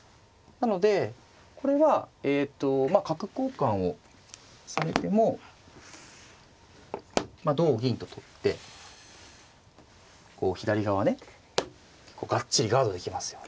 なのでこれはえっと角交換をされても同銀と取ってこう左側ね結構がっちりガードできますよね。